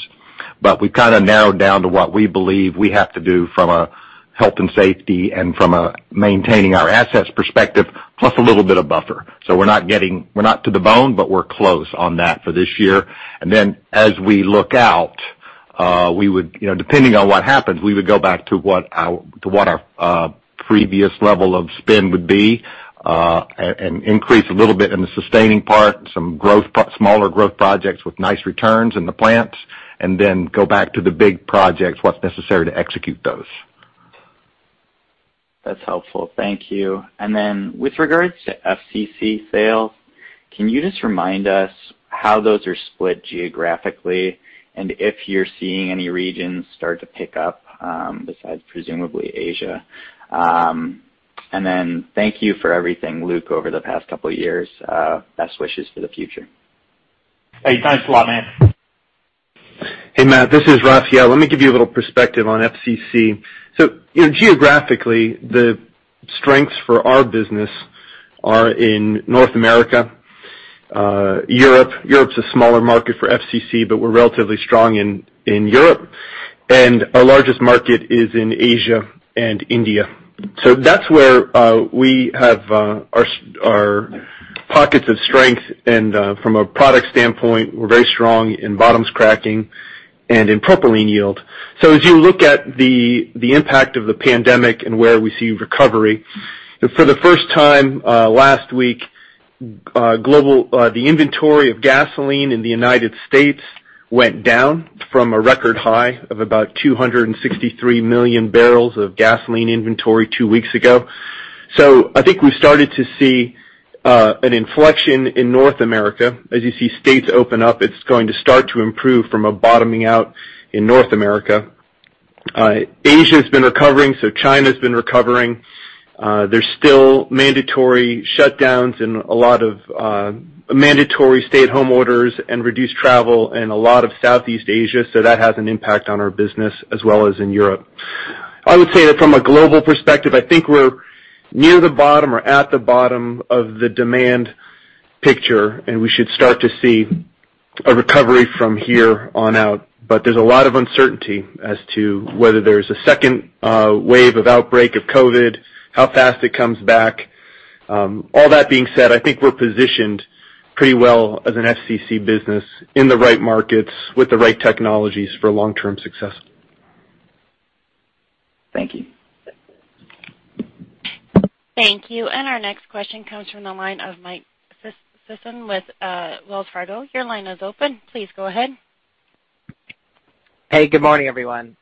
We've kind of narrowed down to what we believe we have to do from a health and safety and from a maintaining our assets perspective, plus a little bit of buffer. We're not to the bone, but we're close on that for this year. As we look out, depending on what happens, we would go back to what our previous level of spend would be, and increase a little bit in the sustaining part, some smaller growth projects with nice returns in the plants, and then go back to the big projects, what's necessary to execute those. That's helpful. Thank you. With regards to FCC sales. Can you just remind us how those are split geographically? If you're seeing any regions start to pick up, besides presumably Asia. Thank you for everything, Luke, over the past couple of years. Best wishes for the future. Hey, thanks a lot, man. Hey, Matt, this is Raphael. Let me give you a little perspective on FCC. Geographically, the strengths for our business are in North America, Europe. Europe is a smaller market for FCC, but we're relatively strong in Europe. Our largest market is in Asia and India. That's where we have our pockets of strength. From a product standpoint, we're very strong in bottoms cracking and in propylene yield. As you look at the impact of the pandemic and where we see recovery, for the first time, last week, the inventory of gasoline in the U.S. went down from a record high of about 263 million barrels of gasoline inventory two weeks ago. I think we started to see an inflection in North America. As you see states open up, it's going to start to improve from a bottoming out in North America. Asia has been recovering. China has been recovering. There's still mandatory shutdowns and a lot of mandatory stay-at-home orders and reduced travel in a lot of Southeast Asia. That has an impact on our business as well as in Europe. I would say that from a global perspective, I think we're near the bottom or at the bottom of the demand picture. We should start to see a recovery from here on out. There's a lot of uncertainty as to whether there's a second wave of outbreak of COVID-19, how fast it comes back. All that being said, I think we're positioned pretty well as an FCC business in the right markets with the right technologies for long-term success. Thank you. Thank you. Our next question comes from the line of Mike Sison with Wells Fargo. Your line is open. Please go ahead. Hey, good morning, everyone.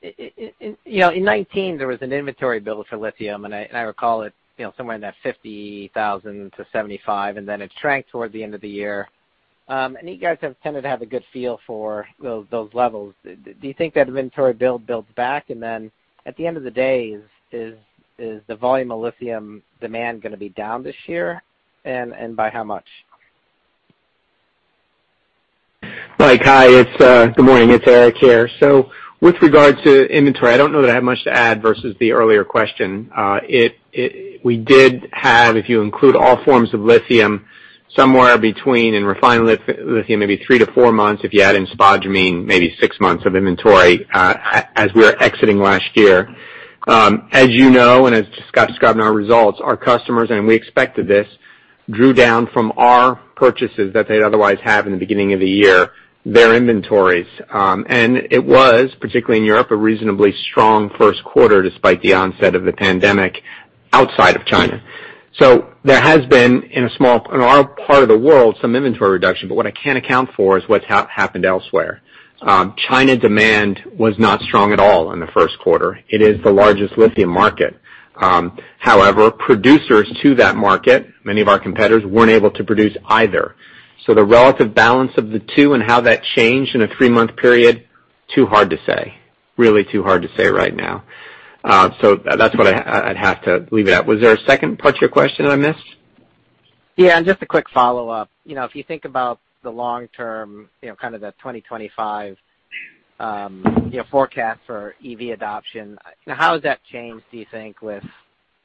In 2019, there was an inventory build for lithium, and I recall it somewhere in that 50,000-75,000 and then it shrank toward the end of the year. You guys have tended to have a good feel for those levels. Do you think that inventory build builds back? At the end of the day, is the volume of lithium demand going to be down this year, and by how much? Mike, hi. Good morning. It's Eric here. With regard to inventory, I don't know that I have much to add versus the earlier question. We did have, if you include all forms of lithium, somewhere between in refined lithium, maybe three to four months, if you add in spodumene, maybe six months of inventory as we are exiting last year. As you know, and as Scott described in our results, our customers, and we expected this, drew down from our purchases that they'd otherwise have in the beginning of the year, their inventories. It was, particularly in Europe, a reasonably strong first quarter despite the onset of the pandemic outside of China. There has been, in our part of the world, some inventory reduction, but what I can't account for is what's happened elsewhere. China demand was not strong at all in the first quarter. It is the largest lithium market. However, producers to that market, many of our competitors, weren't able to produce either. The relative balance of the two and how that changed in a three-month period, too hard to say, really too hard to say right now. That's what I'd have to leave it at. Was there a second part to your question that I missed? Yeah, just a quick follow-up. If you think about the long-term, kind of the 2025 forecast for EV adoption, how has that changed, do you think, with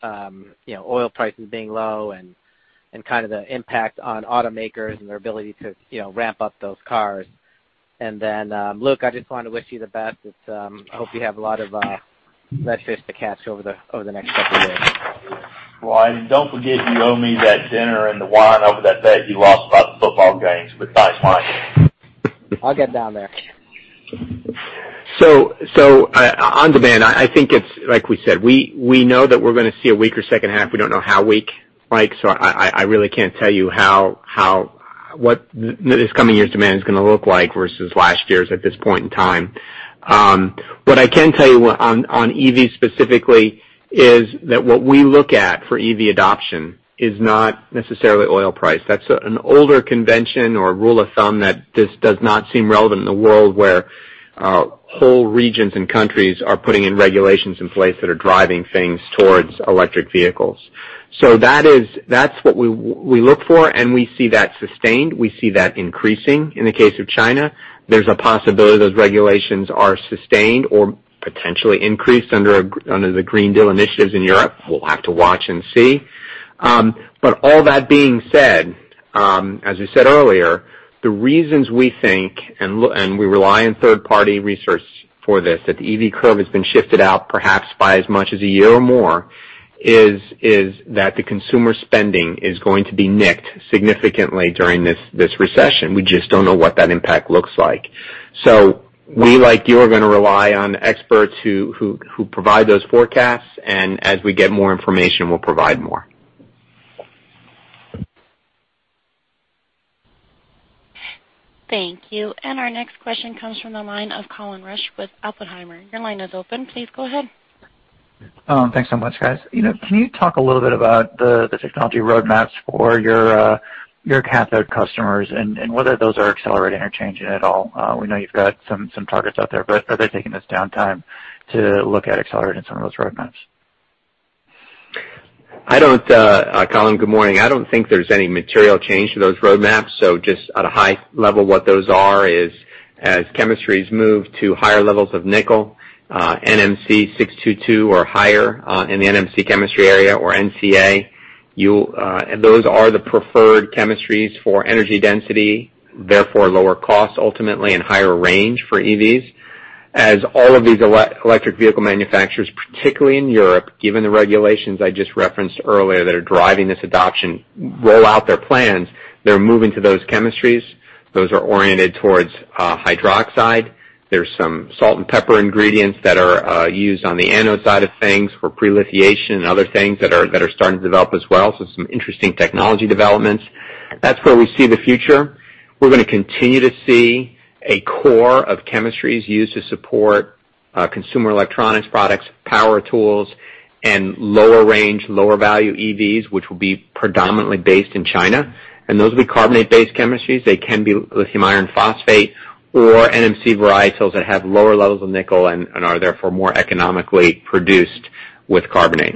oil prices being low and kind of the impact on automakers and their ability to ramp up those cars? Luke, I just wanted to wish you the best. I hope you have a lot of redfish to catch over the next couple of days. Well, don't forget, you owe me that dinner and the wine over that bet you lost about the football games, thanks, Mike Sison. I'll get down there. On demand, I think it's like we said, we know that we're going to see a weaker second half. We don't know how weak, Mike. I really can't tell you what this coming year's demand is going to look like versus last year's at this point in time. What I can tell you on EV specifically is that what we look at for EV adoption is not necessarily oil price. That's an older convention or rule of thumb that just does not seem relevant in a world where whole regions and countries are putting in regulations in place that are driving things towards electric vehicles. That's what we look for, and we see that sustained. We see that increasing. In the case of China, there's a possibility those regulations are sustained or potentially increased under the European Green Deal initiatives in Europe. We'll have to watch and see. All that being said, as you said earlier, the reasons we think, and we rely on third-party research for this, that the EV curve has been shifted out perhaps by as much as a year or more, is that the consumer spending is going to be nicked significantly during this recession. We just don't know what that impact looks like. We, like you, are going to rely on experts who provide those forecasts. As we get more information, we'll provide more. Thank you. Our next question comes from the line of Colin Rusch with Oppenheimer. Your line is open. Please go ahead. Thanks so much, guys. Can you talk a little bit about the technology roadmaps for your cathode customers and whether those are accelerating or changing at all? We know you've got some targets out there, but are they taking this downtime to look at accelerating some of those roadmaps? Colin, good morning. I don't think there's any material change to those roadmaps. Just at a high level, what those are is as chemistries move to higher levels of nickel, NMC622 or higher in the NMC chemistry area or NCA, those are the preferred chemistries for energy density, therefore lower cost ultimately and higher range for EVs. As all of these electric vehicle manufacturers, particularly in Europe, given the regulations I just referenced earlier that are driving this adoption, roll out their plans, they're moving to those chemistries. Those are oriented towards hydroxide. There's some salt and pepper ingredients that are used on the anode side of things for pre-lithiation and other things that are starting to develop as well. Some interesting technology developments. That's where we see the future. We're going to continue to see a core of chemistries used to support consumer electronics products, power tools, and lower range, lower value EVs, which will be predominantly based in China. Those will be carbonate-based chemistries. They can be lithium iron phosphate or NMC varieties that have lower levels of nickel and are therefore more economically produced with carbonate.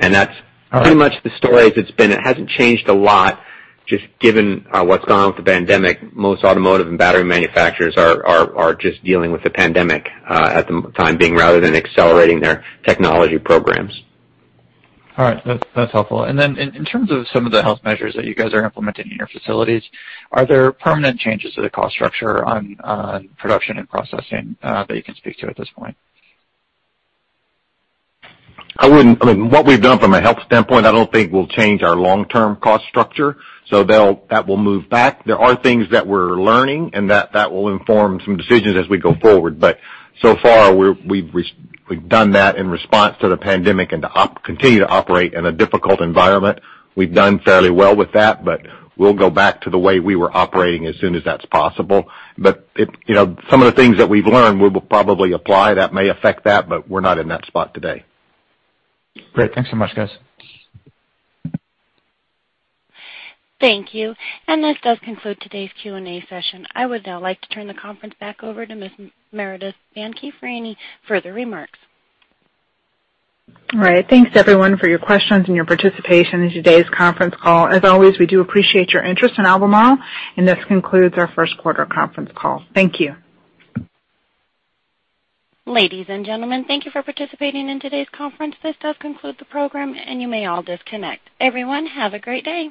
That's pretty much the story as it's been. It hasn't changed a lot, just given what's gone on with the pandemic. Most automotive and battery manufacturers are just dealing with the pandemic at the time being rather than accelerating their technology programs. All right. That's helpful. In terms of some of the health measures that you guys are implementing in your facilities, are there permanent changes to the cost structure on production and processing that you can speak to at this point? What we've done from a health standpoint, I don't think will change our long-term cost structure. That will move back. There are things that we're learning, and that will inform some decisions as we go forward. So far, we've done that in response to the pandemic and to continue to operate in a difficult environment. We've done fairly well with that, but we'll go back to the way we were operating as soon as that's possible. Some of the things that we've learned, we will probably apply. That may affect that, but we're not in that spot today. Great. Thanks so much, guys. Thank you. This does conclude today's Q&A session. I would now like to turn the conference back over to Ms. Meredith Bandy for any further remarks. All right. Thanks everyone for your questions and your participation in today's conference call. As always, we do appreciate your interest in Albemarle, and this concludes our first quarter conference call. Thank you. Ladies and gentlemen, thank you for participating in today's conference. This does conclude the program, and you may all disconnect. Everyone, have a great day.